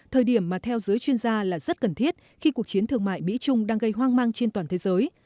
thời điểm mà theo giới chuyên gia là rất cần thiết khi cuộc chiến thương mại mỹ trung đang gây hoang mang trên toàn thế giới